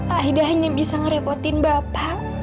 ahida hanya bisa merepotin bapak